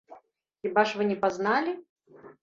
Хіба ж вы не пазналі?